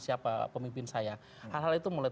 siapa pemimpin saya hal hal itu mulai